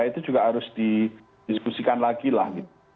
itu juga harus didiskusikan lagi lah